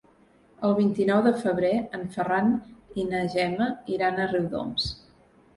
El vint-i-nou de febrer en Ferran i na Gemma iran a Riudoms.